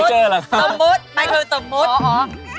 เคยเจอหรือครับสมมุติไม่เคยสมมุติ